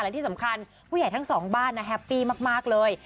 และที่สำคัญผู้ใหญ่ทั้งสองบ้านแฮปปี้มากเลย